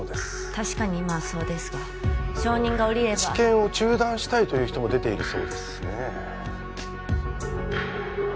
確かに今はそうですが承認が下りれば治験を中断したいという人も出ているそうですね